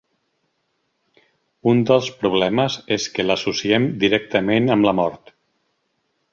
Un dels problemes és que l’associem directament amb la mort.